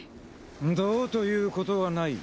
どうということはない。